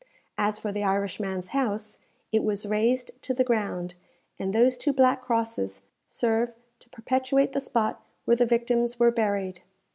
As for the Irishman's house, it was razed to the ground, and those two black crosses serve to perpetuate the spot where the victims were buried.